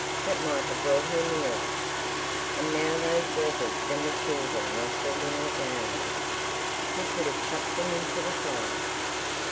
That might have brought her nearer. And now those letters from the children rustled in her blouse. He could have chucked them into the fire.